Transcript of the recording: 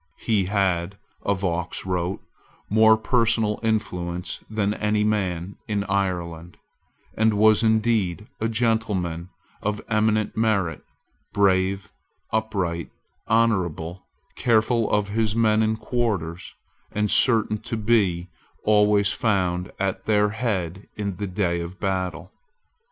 He had, Avaux wrote, more personal influence than any man in Ireland, and was indeed a gentleman of eminent merit, brave, upright, honourable, careful of his men in quarters, and certain to be always found at their head in the day of battle.